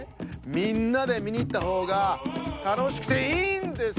みんなでみにいったほうがたのしくていいんですよ！